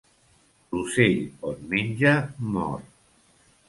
L'ocell, on menja, mor.